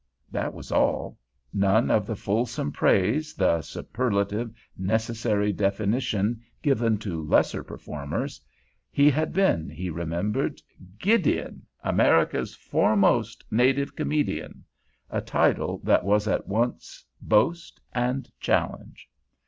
That was all. None of the fulsome praise, the superlative, necessary definition given to lesser performers. He had been, he remembered, "GIDEON, America's Foremost Native Comedian," a title that was at once boast and challenge.